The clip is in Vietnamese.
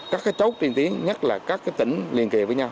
các cái chốt tiên tiến nhất là các cái tỉnh liên kỳ với nhau